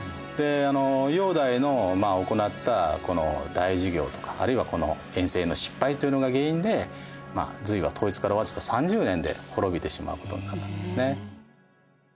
煬帝の行ったこの大事業とかあるいはこの遠征の失敗というのが原因で隋は統一から僅か３０年で滅びてしまうことになったんですね。